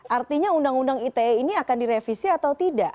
artinya undang undang ite ini akan direvisi atau tidak